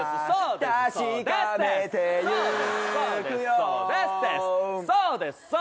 「そうです